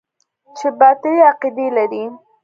چې باطلې عقيدې لري.